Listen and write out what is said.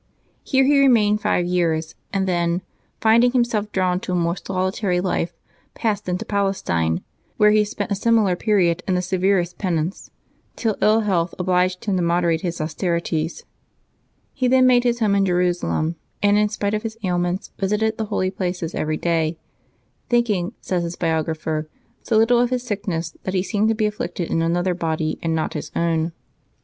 Here he remained five years, and then, finding himself drawn to a more soli tary life, passed into Palestine, where he spent a similar period in the severest penance, till ill health obliged him to moderate his austerities. He then made his home in Jeru salem, and in spite of his ailments visited the Holy Places every day; thinking, says his biographer, so little of his sickness that he seemed to be afflicted in another body, and not bis own.